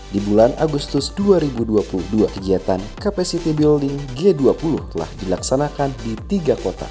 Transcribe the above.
di bulan agustus dua ribu dua puluh dua kegiatan capacity building g dua puluh telah dilaksanakan di tiga kota